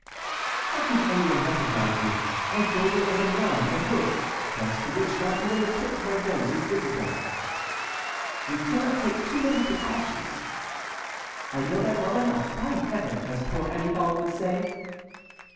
"How could any one recognize me? I go there as a nun, with a hood, thanks to which not even the tip of my nose is visible." "We cannot take too many precautions." "I know that well enough, by Heaven! as poor Annibal would say."